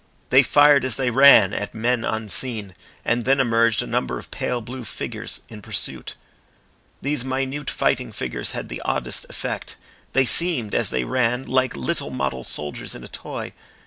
They fired as they ran at men unseen, and then emerged a number of pale blue figures in pursuit. These minute fighting figures had the oddest effect; they seemed as they ran like little model soldiers in a toy.